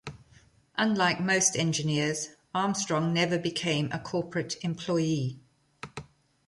Unlike most engineers, Armstrong never became a corporate employee.